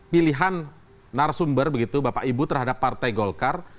pilihan narasumber begitu bapak ibu terhadap partai golkar